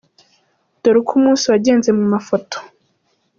Dore uko umunsi wagenze mu mafoto;.